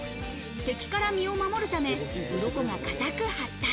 敵から身を守るため、うろこが硬く発達。